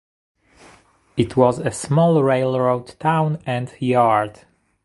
It was a small railroad town and yard.